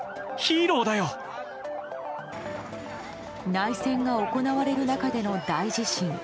内戦が行われる中での大地震。